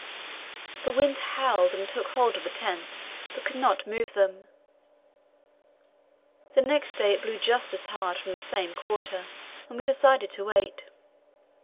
The wind howled and took hold of the tents, but could not move them. The next day it blew just as hard from the same quarter, and we decided to wait.